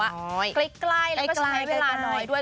เขาบอกว่าใกล้แล้วก็ใช้เวลาน้อยด้วย